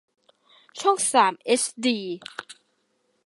ช่องสามเอชดี